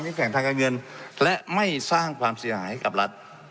แข่งทางการเงินและไม่สร้างความเสียหายให้กับรัฐ